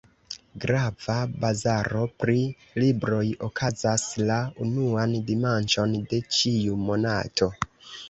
Grava bazaro pri libroj okazas la unuan dimanĉon de ĉiu monato.